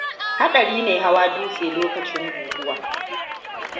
Haɗari ne hawa dutse lokacin guguwa.